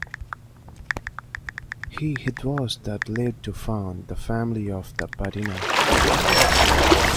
He it was that lived to found the family of the Patino.